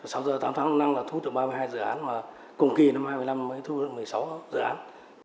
sau tám tháng đầu năm là thu thục được ba mươi hai dự án cùng kỳ năm hai nghìn một mươi năm mới thu thục được một mươi sáu dự án